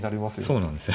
そうなんですよ